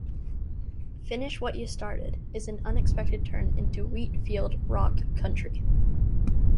"Finish What Ya Started" is an unexpected turn into wheat-field-rock country.